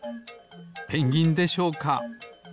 ペンギンでしょうか？